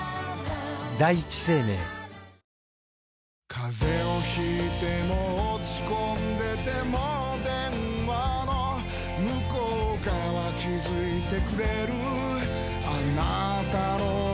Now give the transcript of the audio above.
風邪を引いても落ち込んでても電話の向こう側気付いてくれるあなたの声